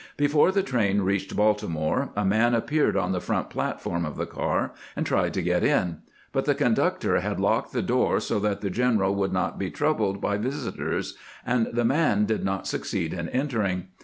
Before the train reached Baltimore a man appeared on the front platform of the car, and tried to get in ; but the conductor had locked the door so that the general would not be troubled with visitors, and the man did not succeed in entering.